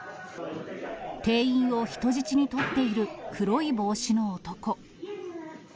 店員を人質に取っている黒い帽子の男。